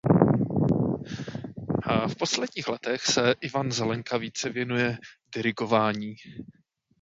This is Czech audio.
V posledních letech se Ivan Zelenka více věnuje dirigování.